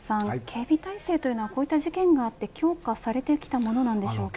警備態勢というのはこういう事件があって強化されてきたものでしょうか。